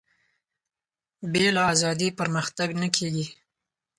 بې له ازادي پرمختګ نه کېږي.